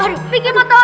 sederhananya kita tadi